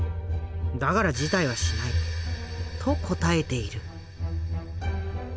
だから辞退はしない」と答えている。